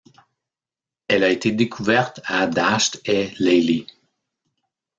Elle a été découverte à Dasht-e-Leili.